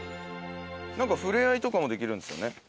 ふれあいとかもできるんですよね？